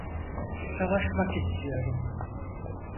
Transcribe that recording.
Savaşmak istiyorum.